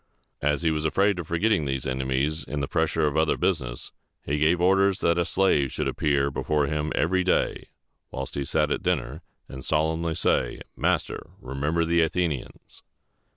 As he was afraid of forgetting these enemies in the pressure of other business, he gave orders that a slave should appear before him every day while he sat at dinner, and solemnly say, "Master, remember the Athenians!"